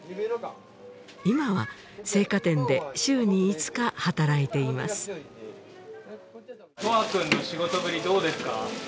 今は青果店で週に５日働いています永遠くんの仕事ぶりどうですか？